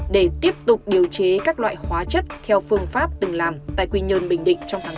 để tiếp tục điều chế các loại hóa chất theo phương pháp từng làm tại quy nhơn bình định trong tháng bốn